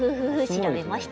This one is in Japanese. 調べました。